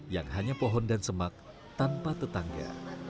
yang hanya pohon dan semak tanpa tetangga